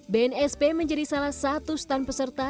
bnsp menjadi salah satu stand peserta